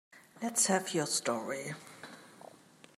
Let's have your story.